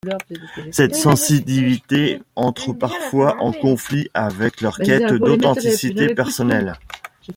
Cette sensitivité entre parfois en conflit avec leur quête d'authenticité personnelle.